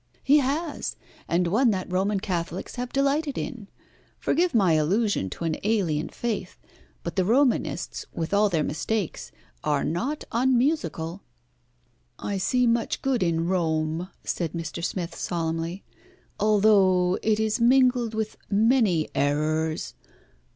"He has, and one that Roman Catholics have delighted in. Forgive my allusion to an alien faith, but the Romanists, with all their mistakes, are not unmusical." "I see much good in Rome," said Mr. Smith solemnly, "although it is mingled with many errors.